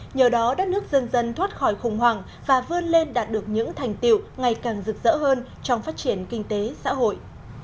nhờ đó đất nước dân dân thoát khỏi khủng hoảng và vươn lên đạt được những thành tiệu ngày càng rực rỡ hơn trong phát triển kinh tế xã hội